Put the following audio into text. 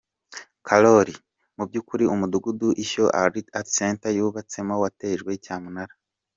Carole: Mu by’ukuri umudugu ishyo art center yubatsemo watejwe cyamunara.